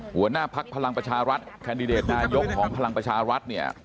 หัวหน้าภักดิ์พลังประชารัฐแคนดิเดตนายกของพลังประชารัฐเนี่ย